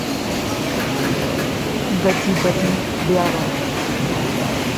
گجی بجی بیاہ وہا